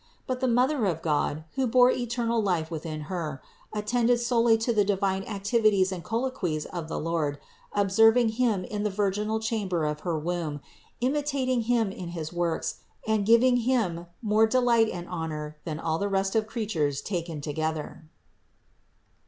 But the Mother of God, who bore eternal Life within Her, at tended solely to the divine activities and colloquies of the Lord, observing Him in the virginal chamber of her 380 CITY OF GOD womb, imitating Him in his works, and giving Him more delight and honor than all the rest of creatures taken together.